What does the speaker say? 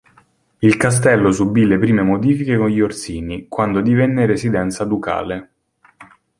Il castello subì le prime modifiche con gli Orsini, quando divenne residenza ducale.